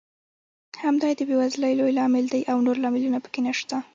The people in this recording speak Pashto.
همدا یې د بېوزلۍ لوی لامل دی او نور لاملونه پکې نشته.